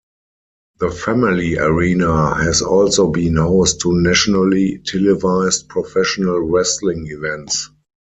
The Family Arena has also been host to nationally televised professional wrestling events.